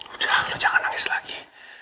udah lu jangan nangis lagi